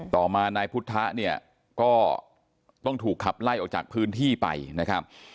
ต่อมานายพุทธะเนี่ยก็ต้องถูกขับไล่ออกจากพื้นที่ไปนะครับ